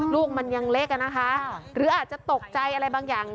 ลูกมันยังเล็กอะนะคะหรืออาจจะตกใจอะไรบางอย่าง